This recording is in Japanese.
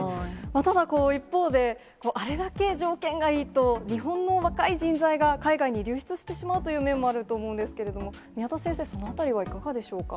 ただ一方で、あれだけ条件がいいと、日本の若い人材が、海外に流出してしまうという面もあると思うんですけれども、宮田先生、そのあたりはいかがでしょうか。